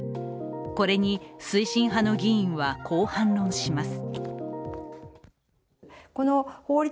これに推進派の議員は、こう反論します。